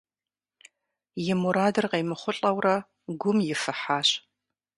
И мурадыр къемыхъулӏэурэ, гум ифыхьащ.